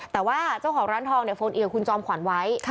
แต่ว่าเจ้าของร้านทองเนี่ยโฟนอีกว่าคุณจอมขวัญไว้